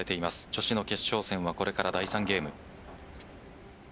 女子の決勝戦はこれから第３ゲーム。